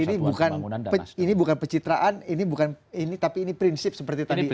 jadi ini bukan pencitraan ini bukan tapi ini prinsip seperti tadi